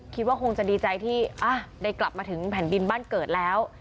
คิดว่าคงจะดีใจที่ได้กลับมาถึงแผ่นดินบ้านเกิดแล้ว